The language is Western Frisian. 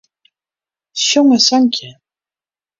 Sjong in sankje.